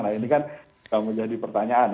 nah ini kan menjadi pertanyaan